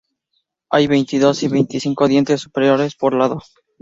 Hay veintidós a veinticinco dientes superiores por lado.